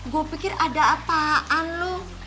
gue pikir ada apaan lu